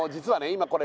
今これ